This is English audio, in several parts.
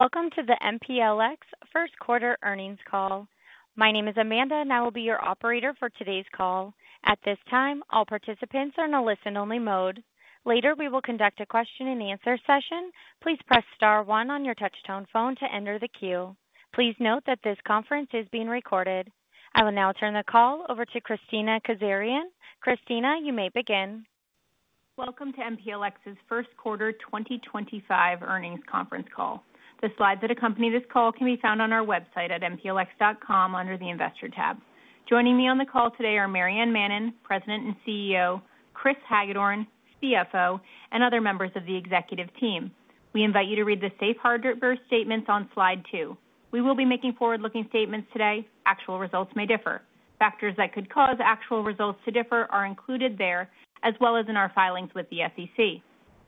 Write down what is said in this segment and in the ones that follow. Welcome to the MPLX first quarter earnings call. My name is Amanda, and I will be your operator for today's call. At this time, all participants are in a listen-only mode. Later, we will conduct a question-and-answer session. Please press star one on your touch-tone phone to enter the queue. Please note that this conference is being recorded. I will now turn the call over to Kristina Kazarian. Kristina, you may begin. Welcome to MPLX's first quarter 2025 earnings conference call. The slides that accompany this call can be found on our website at mplx.com under the investor tab. Joining me on the call today are Maryann Mannen, President and CEO; Kris Hagedorn, CFO; and other members of the executive team. We invite you to read the safe harbor statements on slide two. We will be making forward-looking statements today. Actual results may differ. Factors that could cause actual results to differ are included there, as well as in our filings with the SEC.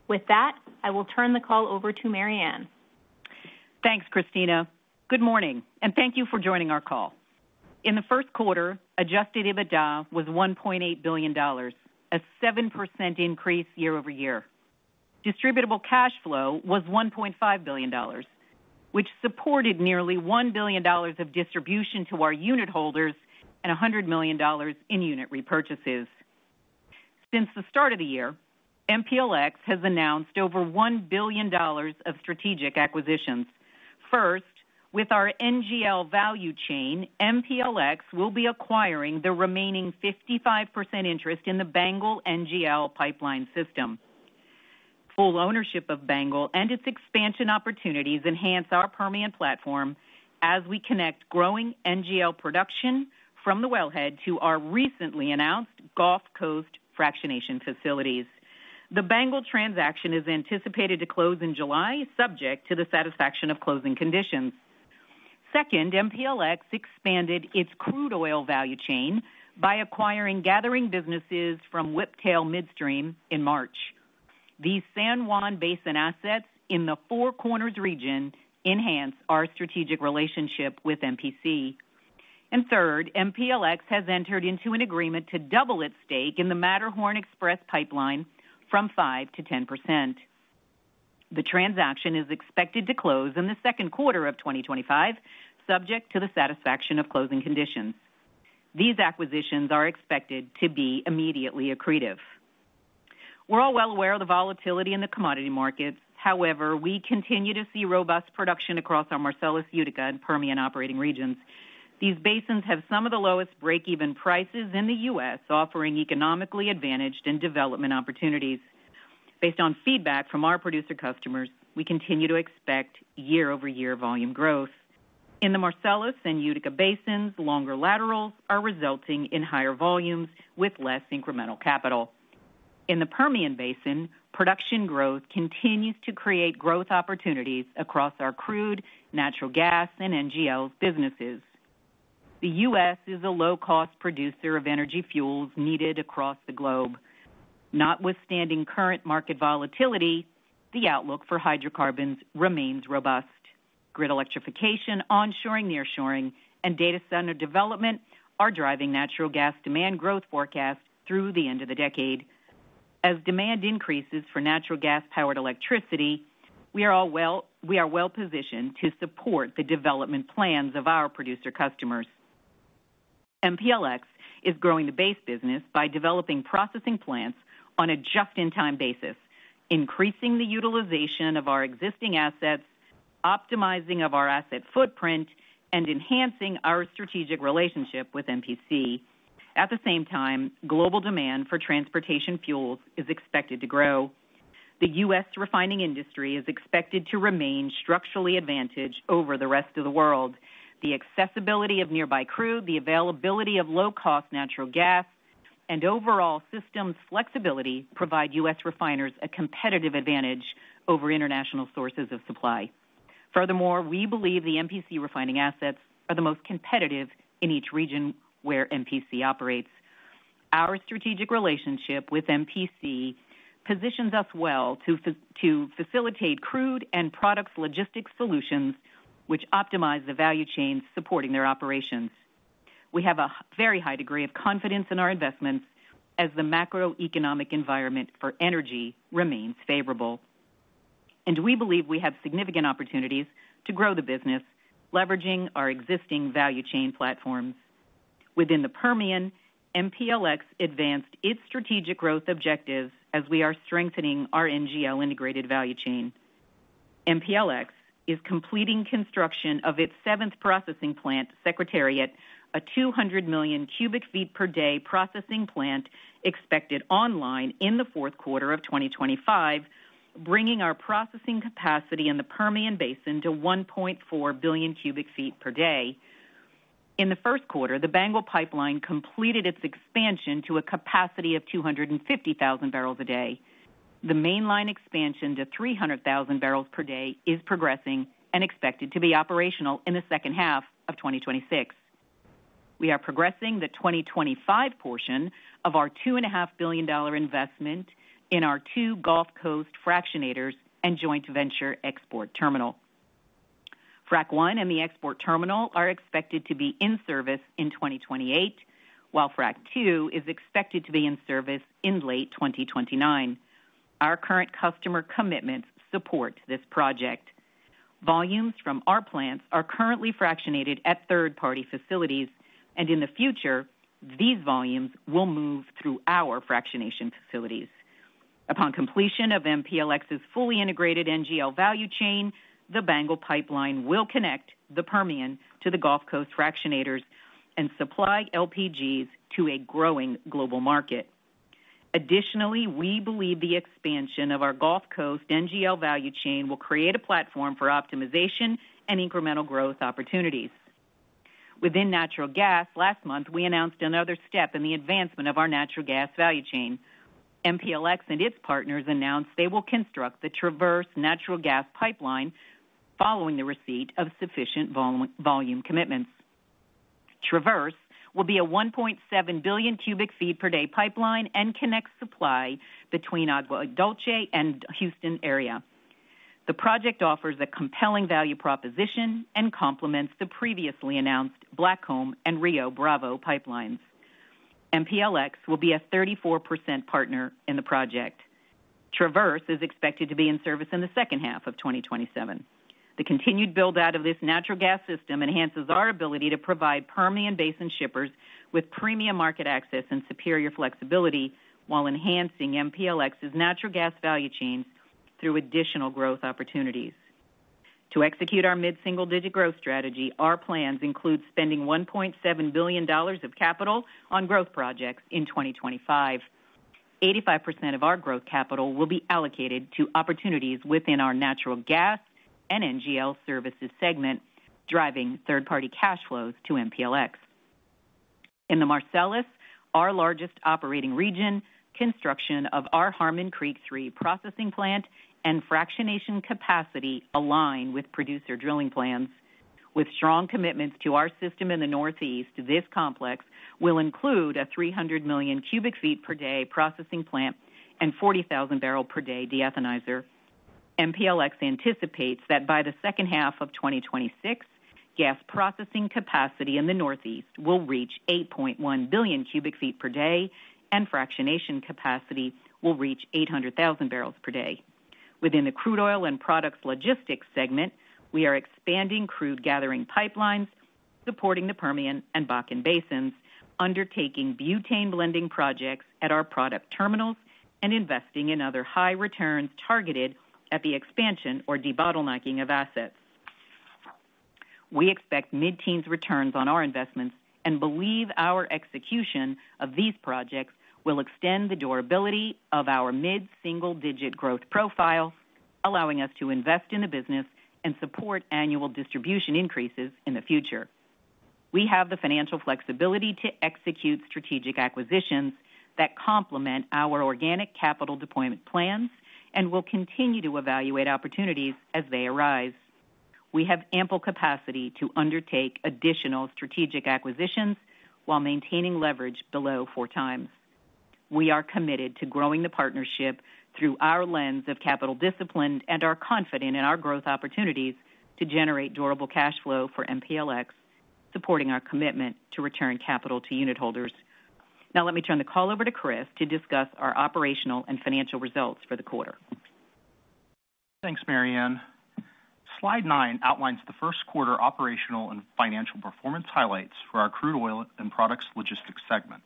With that, I will turn the call over to Maryann. Thanks, Kristina. Good morning, and thank you for joining our call. In the first quarter, adjusted EBITDA was $1.8 billion, a 7% increase year-over-year. Distributable cash flow was $1.5 billion, which supported nearly $1 billion of distribution to our unit holders and $100 million in unit repurchases. Since the start of the year, MPLX has announced over $1 billion of strategic acquisitions. First, with our NGL value chain, MPLX will be acquiring the remaining 55% interest in the Bangle NGL pipeline system. Full ownership of Bangle and its expansion opportunities enhance our Permian platform as we connect growing NGL production from the wellhead to our recently announced Gulf Coast fractionation facilities. The Bangle transaction is anticipated to close in July, subject to the satisfaction of closing conditions. Second, MPLX expanded its crude oil value chain by acquiring gathering businesses from Whiptail Midstream in March. These San Juan Basin assets in the Four Corners region enhance our strategic relationship with MPC. Third, MPLX has entered into an agreement to double its stake in the Matterhorn Express pipeline from 5% to 10%. The transaction is expected to close in the second quarter of 2025, subject to the satisfaction of closing conditions. These acquisitions are expected to be immediately accretive. We're all well aware of the volatility in the commodity markets. However, we continue to see robust production across our Marcellus, Utica, and Permian operating regions. These basins have some of the lowest break-even prices in the U.S., offering economically advantaged and development opportunities. Based on feedback from our producer customers, we continue to expect year-over-year volume growth. In the Marcellus and Utica basins, longer laterals are resulting in higher volumes with less incremental capital. In the Permian basin, production growth continues to create growth opportunities across our crude, natural gas, and NGL businesses. The U.S. is a low-cost producer of energy fuels needed across the globe. Notwithstanding current market volatility, the outlook for hydrocarbons remains robust. Grid electrification, onshoring, nearshoring, and data center development are driving natural gas demand growth forecasts through the end of the decade. As demand increases for natural gas-powered electricity, we are well-positioned to support the development plans of our producer customers. MPLX is growing the base business by developing processing plants on a just-in-time basis, increasing the utilization of our existing assets, optimizing our asset footprint, and enhancing our strategic relationship with MPC. At the same time, global demand for transportation fuels is expected to grow. The U.S. refining industry is expected to remain structurally advantaged over the rest of the world. The accessibility of nearby crude, the availability of low-cost natural gas, and overall systems flexibility provide U.S. refiners a competitive advantage over international sources of supply. Furthermore, we believe the MPC refining assets are the most competitive in each region where MPC operates. Our strategic relationship with MPC positions us well to facilitate crude and products logistics solutions, which optimize the value chains supporting their operations. We have a very high degree of confidence in our investments as the macroeconomic environment for energy remains favorable. We believe we have significant opportunities to grow the business, leveraging our existing value chain platforms. Within the Permian, MPLX advanced its strategic growth objectives as we are strengthening our NGL integrated value chain. MPLX is completing construction of its seventh processing plant Secretariat, a 200 million cu ft per day processing plant expected online in the fourth quarter of 2025, bringing our processing capacity in the Permian basin to 1.4 billion cu ft per day. In the first quarter, the Bangle pipeline completed its expansion to a capacity of 250,000 barrels a day. The mainline expansion to 300,000 barrels per day is progressing and expected to be operational in the second half of 2026. We are progressing the 2025 portion of our $2.5 billion investment in our two Gulf Coast Fractionators and Joint Venture Export Terminal. Frack one and the export terminal are expected to be in service in 2028, while Frack two is expected to be in service in late 2029. Our current customer commitments support this project. Volumes from our plants are currently fractionated at third-party facilities, and in the future, these volumes will move through our fractionation facilities. Upon completion of MPLX's fully integrated NGL value chain, the Bangle pipeline will connect the Permian to the Gulf Coast Fractionators and supply LPGs to a growing global market. Additionally, we believe the expansion of our Gulf Coast NGL value chain will create a platform for optimization and incremental growth opportunities. Within natural gas, last month, we announced another step in the advancement of our natural gas value chain. MPLX and its partners announced they will construct the Traverse natural gas pipeline following the receipt of sufficient volume commitments. Traverse will be a 1.7 billion cu ft per day pipeline and connects supply between Agua Dulce and Houston area. The project offers a compelling value proposition and complements the previously announced Blackcomb and Rio Bravo pipelines. MPLX will be a 34% partner in the project. Traverse is expected to be in service in the second half of 2027. The continued build-out of this natural gas system enhances our ability to provide Permian basin shippers with premium market access and superior flexibility while enhancing MPLX's natural gas value chains through additional growth opportunities. To execute our mid-single-digit growth strategy, our plans include spending $1.7 billion of capital on growth projects in 2025. 85% of our growth capital will be allocated to opportunities within our natural gas and NGL services segment, driving third-party cash flows to MPLX. In the Marcellus, our largest operating region, construction of our Harmon Creek 3 processing plant and fractionation capacity align with producer drilling plans. With strong commitments to our system in the northeast, this complex will include a 300 million cu ft per day processing plant and 40,000 barrels per day deethanizer. MPLX anticipates that by the second half of 2026, gas processing capacity in the northeast will reach 8.1 billion cu ft per day, and fractionation capacity will reach 800,000 barrels per day. Within the crude oil and products logistics segment, we are expanding crude gathering pipelines, supporting the Permian and Bakken basins, undertaking butane blending projects at our product terminals, and investing in other high returns targeted at the expansion or debottlenecking of assets. We expect mid-teens returns on our investments and believe our execution of these projects will extend the durability of our mid-single-digit growth profile, allowing us to invest in the business and support annual distribution increases in the future. We have the financial flexibility to execute strategic acquisitions that complement our organic capital deployment plans and will continue to evaluate opportunities as they arise. We have ample capacity to undertake additional strategic acquisitions while maintaining leverage below four times. We are committed to growing the partnership through our lens of capital discipline and are confident in our growth opportunities to generate durable cash flow for MPLX, supporting our commitment to return capital to unit holders. Now, let me turn the call over to Kris to discuss our operational and financial results for the quarter. Thanks, Maryann. Slide nine outlines the first quarter operational and financial performance highlights for our crude oil and products logistics segment.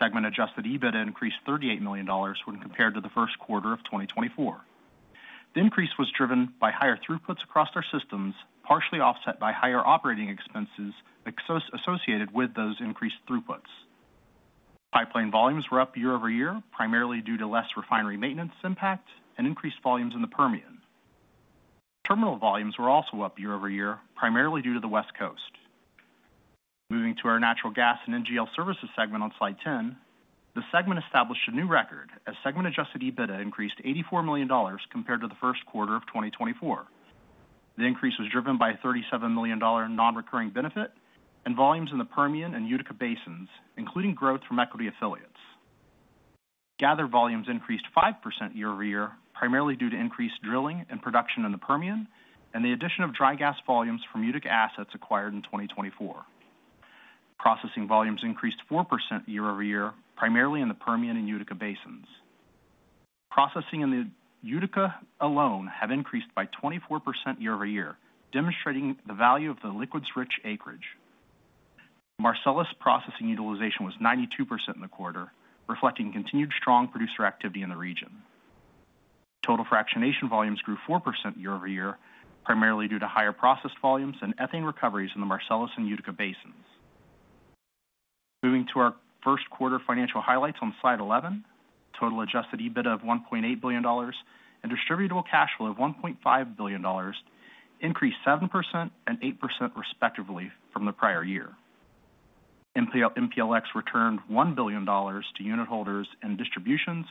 Segment adjusted EBITDA increased $38 million when compared to the first quarter of 2024. The increase was driven by higher throughputs across our systems, partially offset by higher operating expenses associated with those increased throughputs. Pipeline volumes were up year-over-year, primarily due to less refinery maintenance impact and increased volumes in the Permian. Terminal volumes were also up year-over-year, primarily due to the West Coast. Moving to our natural gas and NGL services segment on slide 10, the segment established a new record as segment adjusted EBITDA increased $84 million compared to the first quarter of 2024. The increase was driven by a $37 million non-recurring benefit and volumes in the Permian and Utica basins, including growth from equity affiliates. Gathered volumes increased 5% year-over-year, primarily due to increased drilling and production in the Permian and the addition of dry gas volumes from Utica assets acquired in 2024. Processing volumes increased 4% year-over-year, primarily in the Permian and Utica basins. Processing in the Utica alone has increased by 24% year-over-year, demonstrating the value of the liquids-rich acreage. Marcellus processing utilization was 92% in the quarter, reflecting continued strong producer activity in the region. Total fractionation volumes grew 4% year-over-year, primarily due to higher processed volumes and ethane recoveries in the Marcellus and Utica basins. Moving to our first quarter financial highlights on slide 11, total adjusted EBITDA of $1.8 billion and distributable cash flow of $1.5 billion increased 7% and 8% respectively from the prior year. MPLX returned $1 billion to unit holders in distributions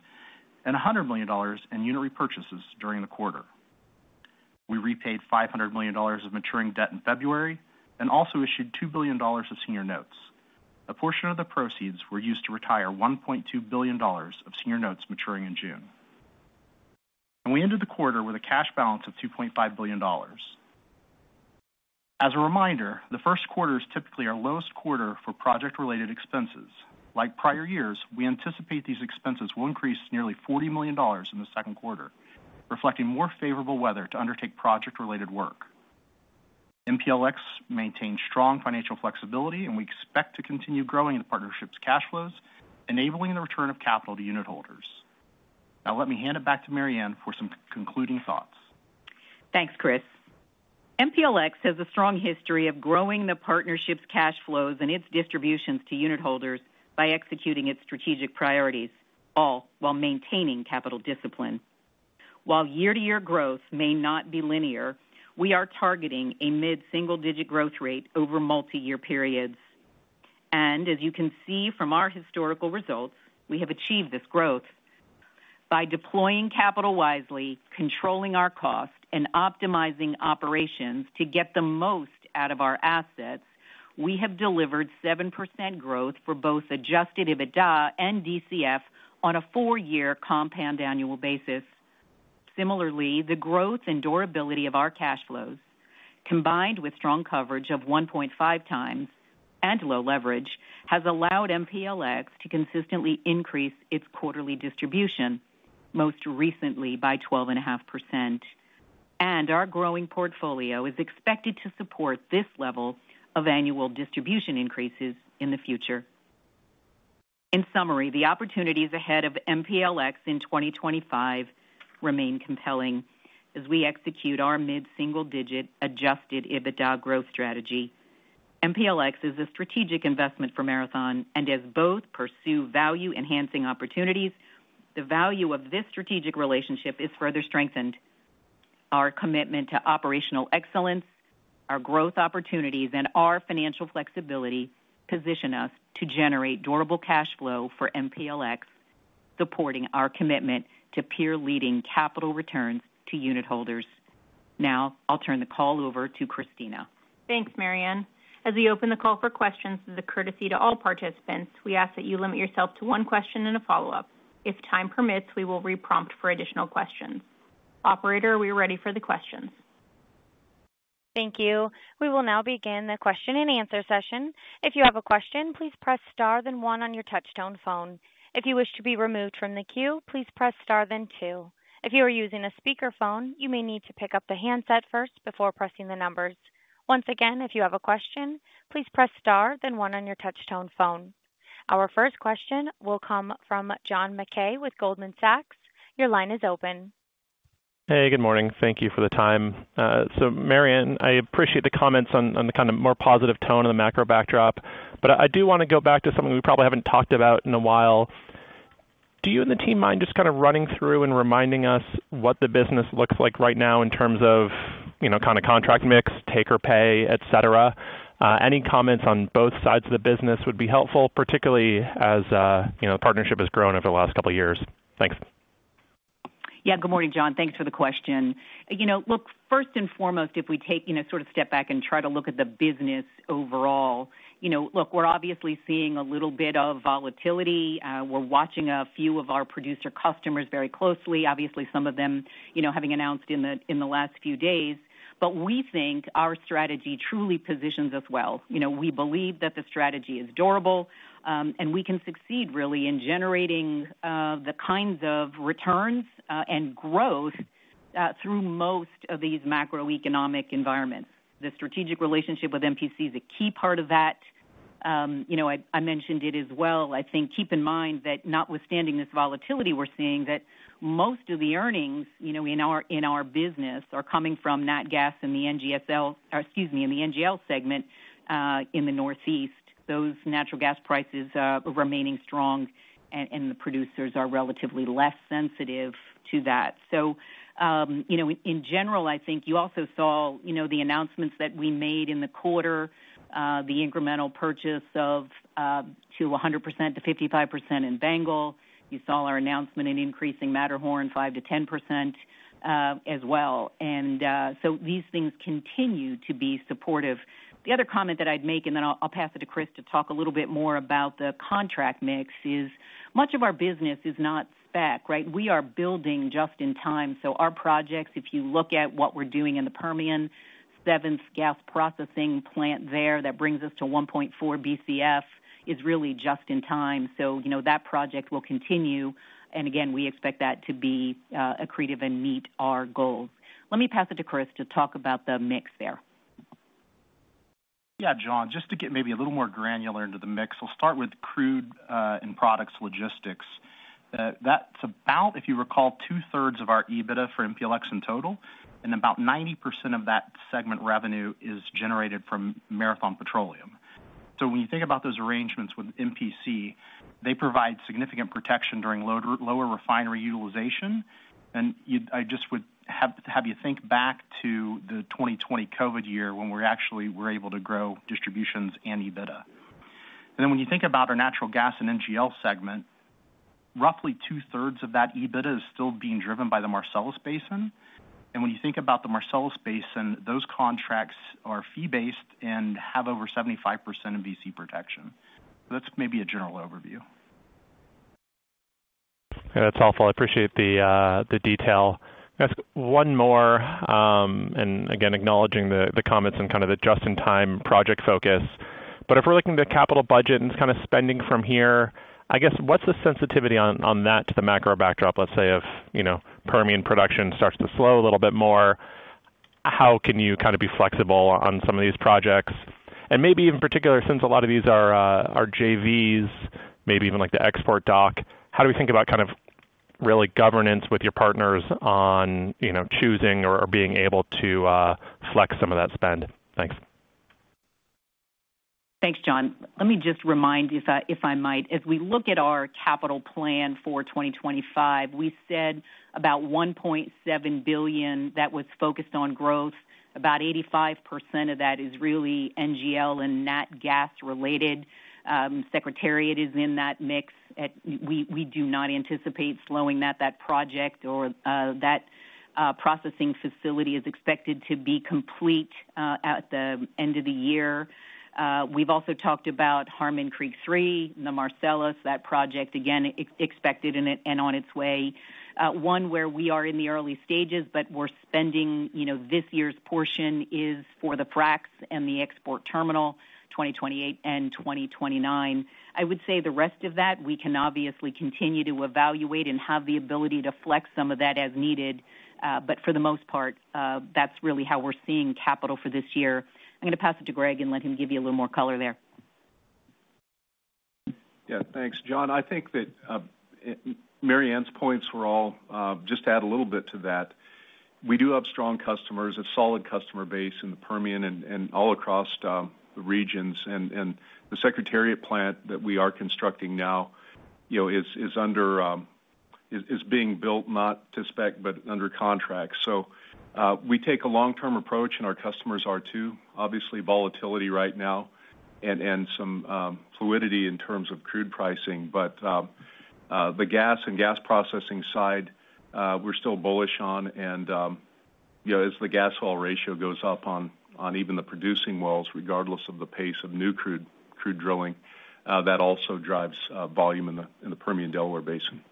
and $100 million in unit repurchases during the quarter. We repaid $500 million of maturing debt in February and also issued $2 billion of senior notes. A portion of the proceeds was used to retire $1.2 billion of senior notes maturing in June. We ended the quarter with a cash balance of $2.5 billion. As a reminder, the first quarter is typically our lowest quarter for project-related expenses. Like prior years, we anticipate these expenses will increase nearly $40 million in the second quarter, reflecting more favorable weather to undertake project-related work. MPLX maintains strong financial flexibility, and we expect to continue growing the partnership's cash flows, enabling the return of capital to unit holders. Now, let me hand it back to Maryann for some concluding thoughts. Thanks, Chris. MPLX has a strong history of growing the partnership's cash flows and its distributions to unit holders by executing its strategic priorities, all while maintaining capital discipline. While year-to-year growth may not be linear, we are targeting a mid-single-digit growth rate over multi-year periods. As you can see from our historical results, we have achieved this growth. By deploying capital wisely, controlling our cost, and optimizing operations to get the most out of our assets, we have delivered 7% growth for both adjusted EBITDA and DCF on a four-year compound annual basis. Similarly, the growth and durability of our cash flows, combined with strong coverage of 1.5 times and low leverage, has allowed MPLX to consistently increase its quarterly distribution, most recently by 12.5%. Our growing portfolio is expected to support this level of annual distribution increases in the future. In summary, the opportunities ahead of MPLX in 2025 remain compelling as we execute our mid-single-digit adjusted EBITDA growth strategy. MPLX is a strategic investment for Marathon, and as both pursue value-enhancing opportunities, the value of this strategic relationship is further strengthened. Our commitment to operational excellence, our growth opportunities, and our financial flexibility position us to generate durable cash flow for MPLX, supporting our commitment to peer-leading capital returns to unit holders. Now, I'll turn the call over to Kristina. Thanks, Maryann. As we open the call for questions, this is a courtesy to all participants. We ask that you limit yourself to one question and a follow-up. If time permits, we will reprompt for additional questions. Operator, are we ready for the questions? Thank you. We will now begin the question-and-answer session. If you have a question, please press star then one on your touchtone phone. If you wish to be removed from the queue, please press star then two. If you are using a speakerphone, you may need to pick up the handset first before pressing the numbers. Once again, if you have a question, please press star then one on your touchtone phone. Our first question will come from John MacKay with Goldman Sachs. Your line is open. Hey, good morning. Thank you for the time. Maryann, I appreciate the comments on the kind of more positive tone and the macro backdrop, but I do want to go back to something we probably haven't talked about in a while. Do you and the team mind just kind of running through and reminding us what the business looks like right now in terms of kind of contract mix, take or pay, etc.? Any comments on both sides of the business would be helpful, particularly as the partnership has grown over the last couple of years. Thanks. Yeah, good morning, John. Thanks for the question. Look, first and foremost, if we take sort of a step back and try to look at the business overall, we're obviously seeing a little bit of volatility. We're watching a few of our producer customers very closely, obviously some of them having announced in the last few days, but we think our strategy truly positions us well. We believe that the strategy is durable, and we can succeed really in generating the kinds of returns and growth through most of these macroeconomic environments. The strategic relationship with MPC is a key part of that. I mentioned it as well. I think keep in mind that notwithstanding this volatility we're seeing, that most of the earnings in our business are coming from NAT gas in the NGL segment in the northeast. Those natural gas prices are remaining strong, and the producers are relatively less sensitive to that. In general, I think you also saw the announcements that we made in the quarter, the incremental purchase to 100% from 55% in Bangle. You saw our announcement in increasing Matterhorn from 5% to 10% as well. These things continue to be supportive. The other comment that I'd make, and then I'll pass it to Chris to talk a little bit more about the contract mix, is much of our business is not spec, right? We are building just in time. Our projects, if you look at what we're doing in the Permian, seventh gas processing plant there that brings us to 1.4 BCF, is really just in time. That project will continue. We expect that to be accretive and meet our goals. Let me pass it to Kris to talk about the mix there. Yeah, John, just to get maybe a little more granular into the mix, we'll start with crude and products logistics. That's about, if you recall, two-thirds of our EBITDA for MPLX in total, and about 90% of that segment revenue is generated from Marathon Petroleum. When you think about those arrangements with MPC, they provide significant protection during lower refinery utilization. I just would have you think back to the 2020 COVID year when we actually were able to grow distributions and EBITDA. When you think about our natural gas and NGL segment, roughly two-thirds of that EBITDA is still being driven by the Marcellus basin. When you think about the Marcellus basin, those contracts are fee-based and have over 75% of VC protection. That's maybe a general overview. That's helpful. I appreciate the detail. One more, and again, acknowledging the comments and kind of the just-in-time project focus. If we're looking at the capital budget and kind of spending from here, I guess what's the sensitivity on that to the macro backdrop? Let's say if Permian production starts to slow a little bit more, how can you kind of be flexible on some of these projects? Maybe in particular, since a lot of these are JVs, maybe even like the export dock, how do we think about kind of really governance with your partners on choosing or being able to flex some of that spend? Thanks. Thanks, John. Let me just remind you, if I might, as we look at our capital plan for 2025, we said about $1.7 billion that was focused on growth. About 85% of that is really NGL and NAT gas related. Secretariat is in that mix. We do not anticipate slowing that project or that processing facility is expected to be complete at the end of the year. We've also talked about Harmon Creek 3, the Marcellus, that project, again, expected and on its way. One where we are in the early stages, but we're spending this year's portion is for the FRAX and the export terminal, 2028 and 2029. I would say the rest of that, we can obviously continue to evaluate and have the ability to flex some of that as needed. For the most part, that's really how we're seeing capital for this year. I'm going to pass it to Greg and let him give you a little more color there. Yeah, thanks, John. I think that Maryann's points were all just to add a little bit to that. We do have strong customers, a solid customer base in the Permian and all across the regions. The Secretariat plant that we are constructing now is being built, not to spec, but under contract. We take a long-term approach, and our customers are too. Obviously, volatility right now and some fluidity in terms of crude pricing. The gas and gas processing side, we're still bullish on. As the gas oil ratio goes up on even the producing wells, regardless of the pace of new crude drilling, that also drives volume in the Permian-Delaware basin.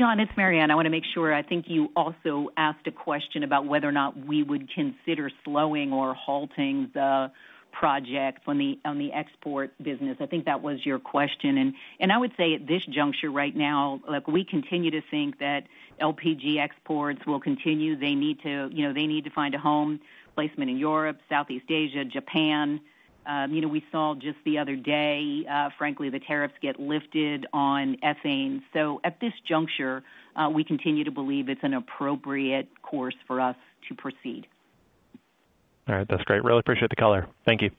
John, it's Maryann. I want to make sure I think you also asked a question about whether or not we would consider slowing or halting the project on the export business. I think that was your question. I would say at this juncture right now, we continue to think that LPG exports will continue. They need to find a home placement in Europe, Southeast Asia, Japan. We saw just the other day, frankly, the tariffs get lifted on ethane. At this juncture, we continue to believe it's an appropriate course for us to proceed. All right, that's great. Really appreciate the color. Thank you.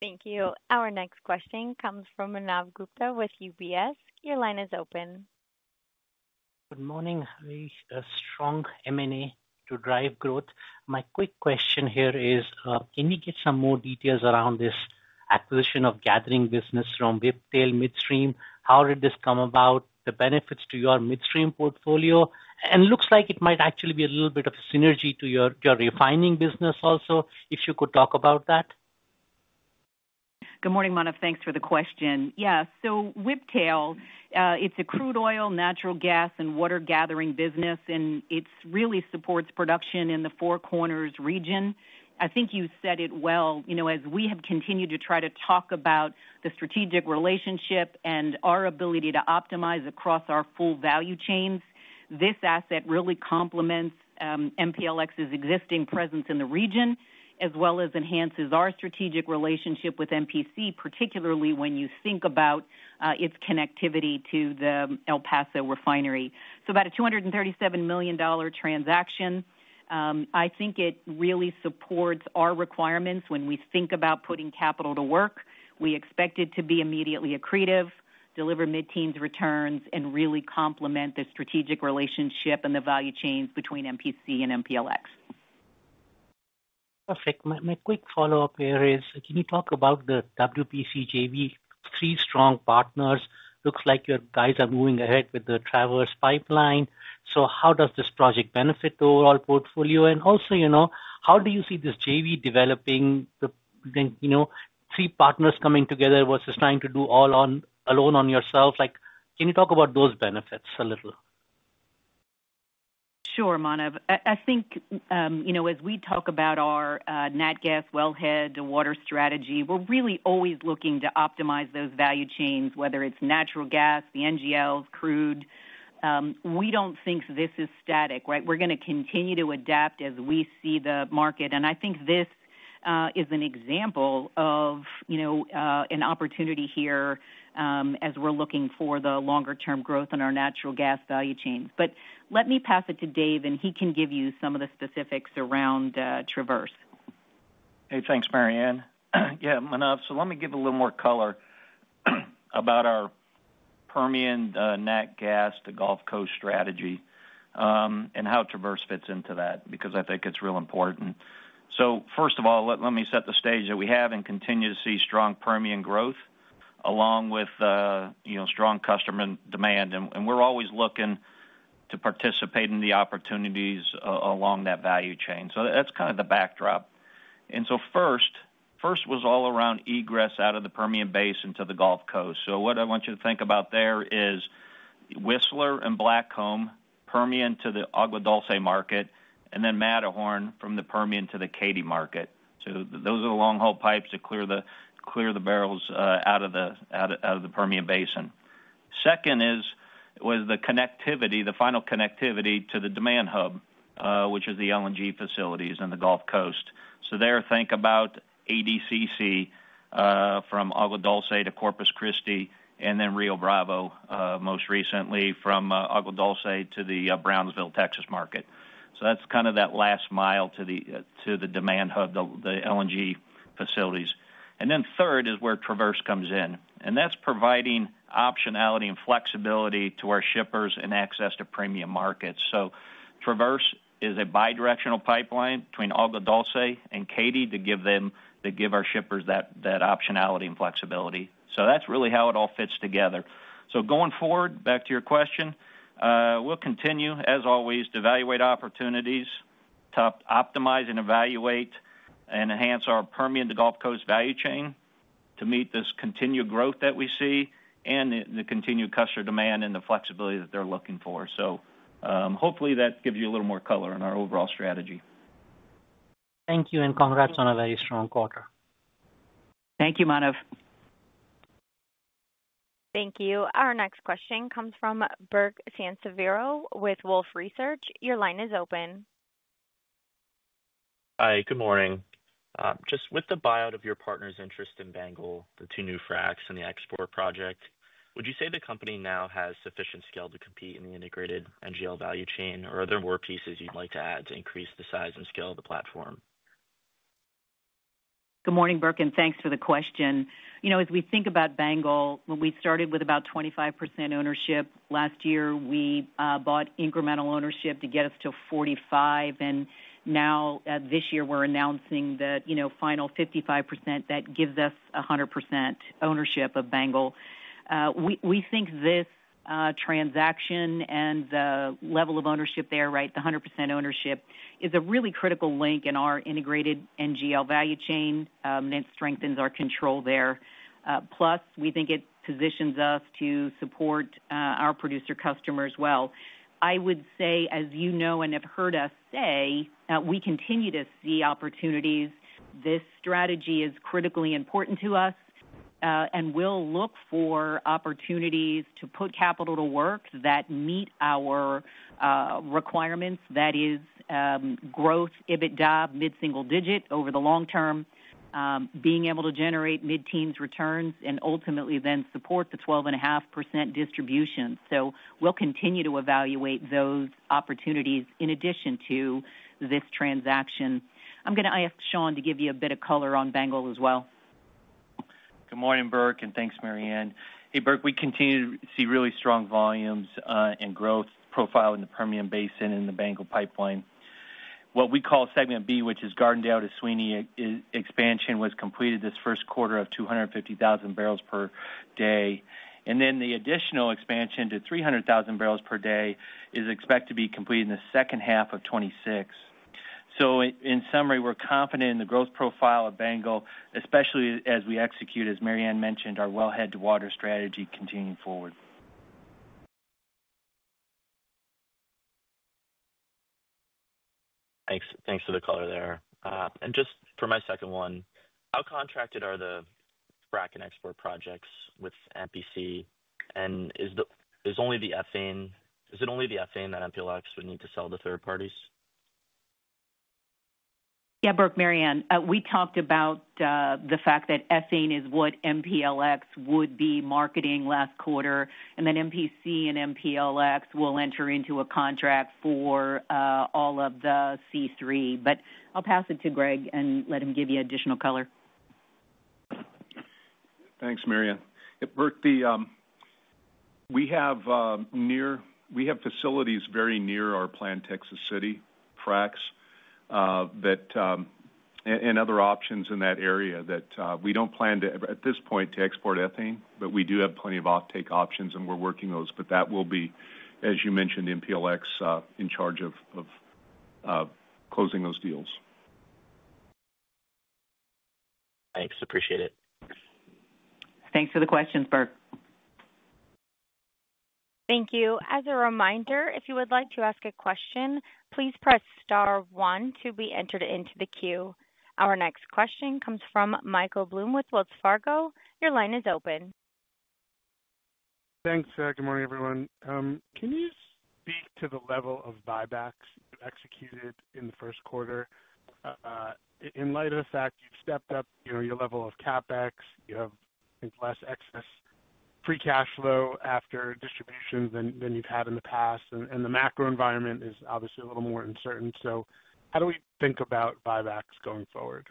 Thank you. Our next question comes from Manav Gupta with UBS. Your line is open. Good morning. A strong M&A to drive growth. My quick question here is, can you get some more details around this acquisition of gathering business from Whiptail Midstream? How did this come about? The benefits to your midstream portfolio? It looks like it might actually be a little bit of a synergy to your refining business also. If you could talk about that. Good morning, Manav. Thanks for the question. Yeah, so Whiptail, it's a crude oil, natural gas, and water gathering business, and it really supports production in the Four Corners region. I think you said it well. As we have continued to try to talk about the strategic relationship and our ability to optimize across our full value chains, this asset really complements MPLX's existing presence in the region, as well as enhances our strategic relationship with MPC, particularly when you think about its connectivity to the El Paso refinery. About a $237 million transaction. I think it really supports our requirements when we think about putting capital to work. We expect it to be immediately accretive, deliver mid-teens returns, and really complement the strategic relationship and the value chains between MPC and MPLX. Perfect. My quick follow-up here is, can you talk about the WPC JV, three strong partners? Looks like your guys are moving ahead with the Traverse pipeline. How does this project benefit the overall portfolio? Also, how do you see this JV developing, three partners coming together versus trying to do all alone on yourself? Can you talk about those benefits a little? Sure, Manav. I think as we talk about our nat gas, wellhead, water strategy, we're really always looking to optimize those value chains, whether it's natural gas, the NGLs, crude. We don't think this is static, right? We're going to continue to adapt as we see the market. I think this is an example of an opportunity here as we're looking for the longer-term growth in our natural gas value chains. Let me pass it to Dave, and he can give you some of the specifics around Traverse. Hey, thanks, Maryann. Yeah, Manav, let me give a little more color about our Permian nat gas to Gulf Coast strategy and how Traverse fits into that because I think it's real important. First of all, let me set the stage that we have and continue to see strong Permian growth along with strong customer demand. We're always looking to participate in the opportunities along that value chain. That's kind of the backdrop. First was all around egress out of the Permian basin into the Gulf Coast. What I want you to think about there is Whistler and Blackcomb, Permian to the Agua Dulce market, and then Matterhorn from the Permian to the Katy market. Those are the long-haul pipes that clear the barrels out of the Permian basin. Second is the connectivity, the final connectivity to the demand hub, which is the LNG facilities in the Gulf Coast. There, think about ADCC from Agua Dulce to Corpus Christi, and then Rio Bravo most recently from Agua Dulce to the Brownsville, Texas market. That is kind of that last mile to the demand hub, the LNG facilities. Third is where Traverse comes in. That is providing optionality and flexibility to our shippers and access to premium markets. Traverse is a bidirectional pipeline between Agua Dulce and Katy to give our shippers that optionality and flexibility. That is really how it all fits together. Going forward, back to your question, we'll continue, as always, to evaluate opportunities, optimize and evaluate, and enhance our Permian to Gulf Coast value chain to meet this continued growth that we see and the continued customer demand and the flexibility that they're looking for. Hopefully that gives you a little more color in our overall strategy. Thank you, and congrats on a very strong quarter. Thank you, Manav. Thank you. Our next question comes from Burke Sansiviero with Wolfe Research. Your line is open. Hi, good morning. Just with the buyout of your partner's interest in Bangle, the two new FRAX and the export project, would you say the company now has sufficient scale to compete in the integrated NGL value chain, or are there more pieces you'd like to add to increase the size and scale of the platform? Good morning, Burke, and thanks for the question. As we think about Bangle, when we started with about 25% ownership last year, we bought incremental ownership to get us to 45%. And now this year, we're announcing the final 55% that gives us 100% ownership of Bangle. We think this transaction and the level of ownership there, right, the 100% ownership is a really critical link in our integrated NGL value chain, and it strengthens our control there. Plus, we think it positions us to support our producer customers well. I would say, as you know and have heard us say, we continue to see opportunities. This strategy is critically important to us, and we'll look for opportunities to put capital to work that meet our requirements. That is growth, EBITDA, mid-single digit over the long term, being able to generate mid-teens returns, and ultimately then support the 12.5% distribution. We will continue to evaluate those opportunities in addition to this transaction. I'm going to ask Shawn to give you a bit of color on Bangle as well. Good morning, Burke, and thanks, Maryann. Hey, Burke, we continue to see really strong volumes and growth profile in the Permian basin and the Bangle pipeline. What we call segment B, which is Gardendale to Sweeney expansion, was completed this first quarter at 250,000 barrels per day. The additional expansion to 300,000 barrels per day is expected to be completed in the second half of 2026. In summary, we're confident in the growth profile of Bangle, especially as we execute, as Maryann mentioned, our wellhead to water strategy continuing forward. Thanks for the color there. Just for my second one, how contracted are the frack and export projects with MPC? Is only the ethane that MPLX would need to sell to third parties? Yeah, Burke, Maryann, we talked about the fact that ethane is what MPLX would be marketing last quarter, and then MPC and MPLX will enter into a contract for all of the C3. I will pass it to Greg and let him give you additional color. Thanks, Maryann. Burke, we have facilities very near our planned Texas City FRAX and other options in that area. We do not plan at this point to export ethane, but we do have plenty of off-take options, and we are working those. That will be, as you mentioned, MPLX in charge of closing those deals. Thanks. Appreciate it. Thanks for the questions, Burke. Thank you. As a reminder, if you would like to ask a question, please press star one to be entered into the queue. Our next question comes from Michael Blum with Wells Fargo. Your line is open. Thanks. Good morning, everyone. Can you speak to the level of buybacks you executed in the first quarter? In light of the fact you've stepped up your level of CapEx, you have, I think, less excess free cash flow after distributions than you've had in the past, and the macro environment is obviously a little more uncertain. How do we think about buybacks going forward?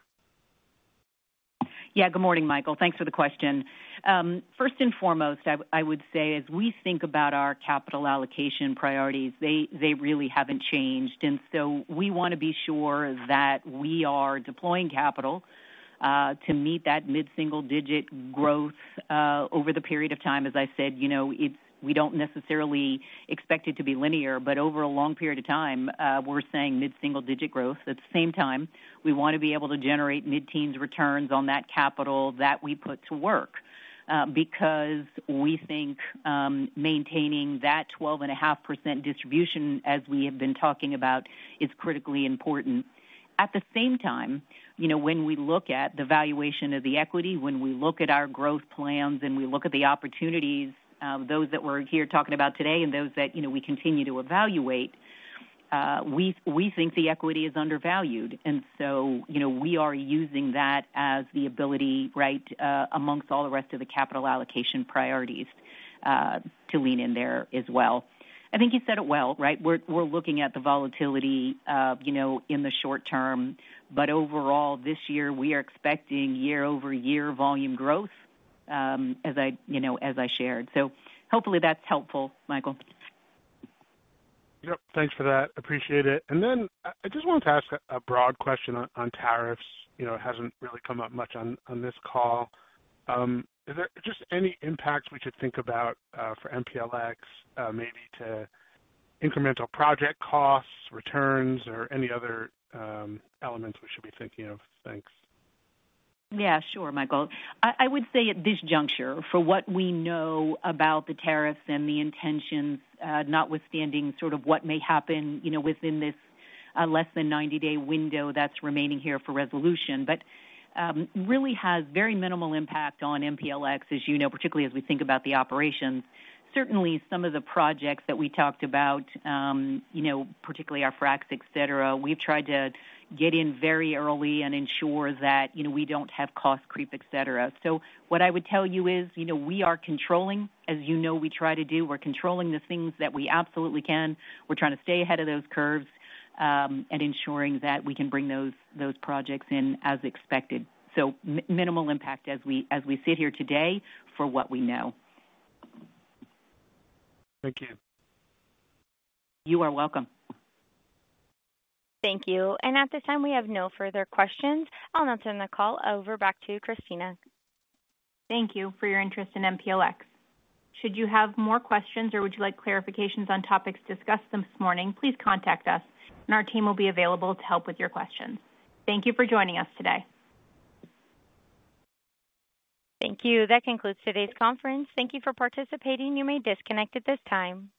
Yeah, good morning, Michael. Thanks for the question. First and foremost, I would say as we think about our capital allocation priorities, they really have not changed. We want to be sure that we are deploying capital to meet that mid-single digit growth over the period of time. As I said, we do not necessarily expect it to be linear, but over a long period of time, we are saying mid-single digit growth. At the same time, we want to be able to generate mid-teens returns on that capital that we put to work because we think maintaining that 12.5% distribution, as we have been talking about, is critically important. At the same time, when we look at the valuation of the equity, when we look at our growth plans, and we look at the opportunities, those that we're here talking about today and those that we continue to evaluate, we think the equity is undervalued. We are using that as the ability, right, amongst all the rest of the capital allocation priorities to lean in there as well. I think you said it well, right? We're looking at the volatility in the short term, but overall, this year, we are expecting year-over-year volume growth, as I shared. Hopefully that's helpful, Michael. Yep. Thanks for that. Appreciate it. I just wanted to ask a broad question on tariffs. It has not really come up much on this call. Is there just any impacts we should think about for MPLX, maybe to incremental project costs, returns, or any other elements we should be thinking of? Thanks. Yeah, sure, Michael. I would say at this juncture, for what we know about the tariffs and the intentions, notwithstanding sort of what may happen within this less than 90-day window that's remaining here for resolution, it really has very minimal impact on MPLX, as you know, particularly as we think about the operations. Certainly, some of the projects that we talked about, particularly our FRAX, etc., we've tried to get in very early and ensure that we don't have cost creep, etc. What I would tell you is we are controlling, as you know we try to do. We're controlling the things that we absolutely can. We're trying to stay ahead of those curves and ensuring that we can bring those projects in as expected. Minimal impact as we sit here today for what we know. Thank you. You are welcome. Thank you. At this time, we have no further questions. I'll now turn the call back over to Kristina. Thank you for your interest in MPLX. Should you have more questions or would you like clarifications on topics discussed this morning, please contact us. Our team will be available to help with your questions. Thank you for joining us today. Thank you. That concludes today's conference. Thank you for participating. You may disconnect at this time.